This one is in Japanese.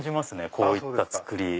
こういった作り。